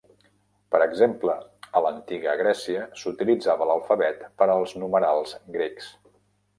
Per exemple, a l'antiga Grècia, s'utilitzava l'alfabet per als numerals grecs.